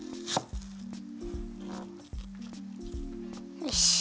よし。